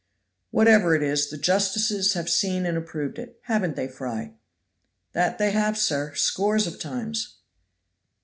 "Whatever it is, the justices have seen and approved it. Haven't they, Fry?" "That they have, sir; scores of times."